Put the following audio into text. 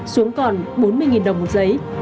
xuống còn bốn mươi đồng một giấy